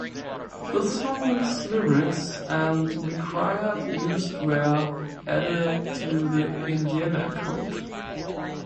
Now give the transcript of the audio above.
The song's lyrics and required uses were added to the Indiana Code.